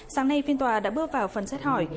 sáng nay phiên tòa đã bước vào phần xét hỏi